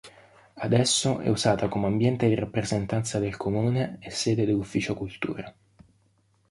Adesso è usata come ambiente di rappresentanza del Comune e sede dell'Ufficio Cultura.